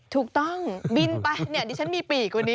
ถูกต้องบินไปดิฉันมีปีกวันนี้